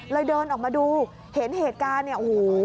เดินออกมาดูเห็นเหตุการณ์เนี่ยโอ้โห